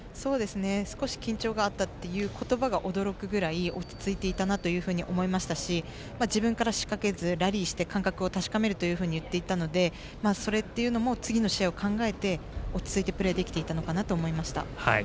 少し緊張があったということばが驚くぐらい落ち着いていたなと思いましたし自分から仕掛けずラリーで感覚を確かめるというふうに言っていたのでそれっていうのも次の試合を考えて落ち着いてプレーできていたのかなと思いました。